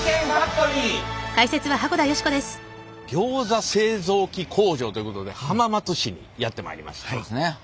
ギョーザ製造機工場ということで浜松市にやって参りました。